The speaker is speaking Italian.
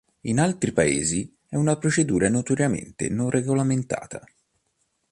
In altri Paesi, è una procedura notoriamente non regolamentata.